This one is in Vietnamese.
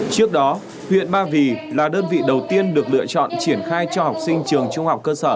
trước đó huyện ba vì là đơn vị đầu tiên được lựa chọn triển khai cho học sinh trường trung học cơ sở